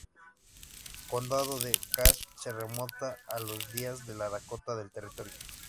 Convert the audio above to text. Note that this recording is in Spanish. Condado de Cass se remonta a los días de la Dakota del Territorio.